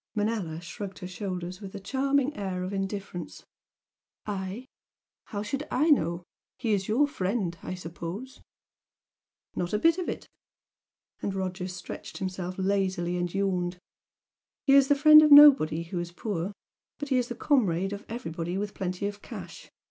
Manella shrugged her shoulders with a charming air of indifference. "I? How should I know? He is your friend I suppose?" "Not a bit of it!" and Roger stretched himself lazily and yawned "He's the friend of nobody who is poor. But he's the comrade of everybody with plenty of cash.